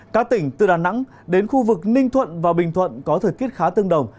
các tỉnh từ đà nẵng đến khu vực ninh thuận và bình thuận có thời tiết khá tương đồng